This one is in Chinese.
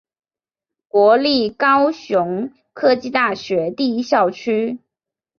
国立高雄科技大学第一校区。